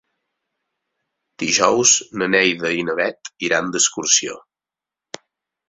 Dijous na Neida i na Bet iran d'excursió.